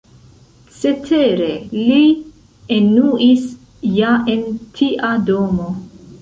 Cetere, li enuis ja en tia domo.